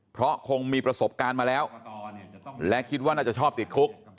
เพราะคงมีประสบการณ์มาแล้วและคิดว่าน่าจะชอบติดคุก